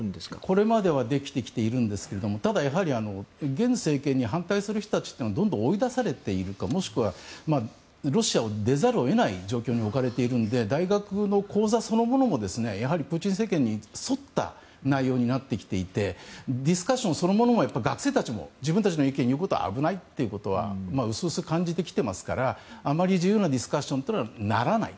これまではできてきているんですけどただ、現政権に反対する人たちがどんどん追い出されているもしくはロシアを出ざるを得ない状況に置かれているので大学の講座そのものもプーチン政権に沿った内容になってきていてディスカッションそのものも学生たちも自分たちの意見を言うことは危ないということは薄々感じてきていますからあまり自由なディスカッションにはならない。